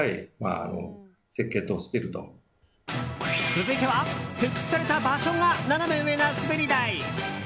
続いては、設置された場所がナナメ上な滑り台。